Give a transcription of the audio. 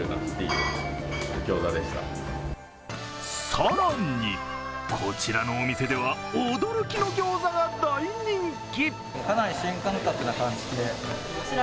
更に、こちらのお店では驚きのギョーザが大人気。